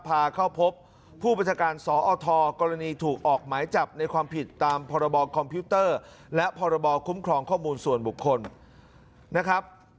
พาเข้าพบผู้บัจการสอทกรณีถูกออกหมายจับในความผิดตามพคและพคข้อมูลส่วนบุคคลนะครับ